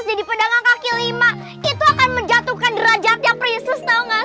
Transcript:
jadi pedangang kaki lima itu akan menjatuhkan derajatnya prisus tahu nggak